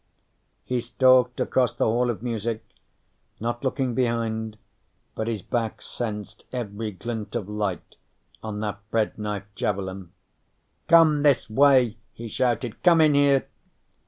He stalked across the Hall of Music, not looking behind, but his back sensed every glint of light on that bread knife javelin. "Come this way!" he shouted. "Come in here!"